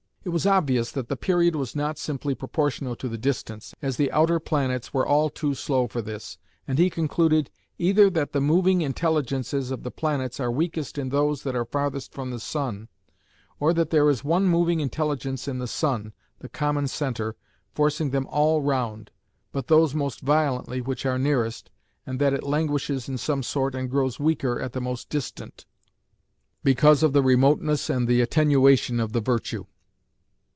It was obvious that the period was not simply proportional to the distance, as the outer planets were all too slow for this, and he concluded "either that the moving intelligences of the planets are weakest in those that are farthest from the sun, or that there is one moving intelligence in the sun, the common centre, forcing them all round, but those most violently which are nearest, and that it languishes in some sort and grows weaker at the most distant, because of the remoteness and the attenuation of the virtue".